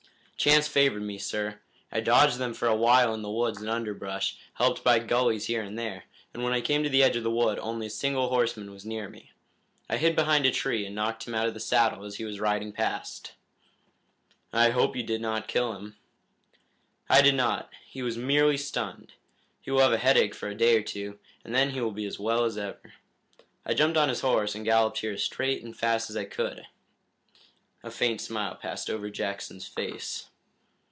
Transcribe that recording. "Chance favored me, sir. I dodged them for a while in the woods and underbrush, helped by gullies here and there, and when I came to the edge of the wood only a single horseman was near me. I hid behind a tree and knocked him out of the saddle as he was riding past." "I hope you did not kill him." "I did not. He was merely stunned. He will have a headache for a day or two, and then he will be as well as ever. I jumped on his horse and galloped here as straight and fast as I could." A faint smile passed over Jackson's face.